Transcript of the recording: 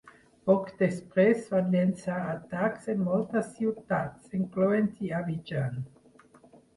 Poc després van llençar atacs en moltes ciutats, incloent-hi Abidjan.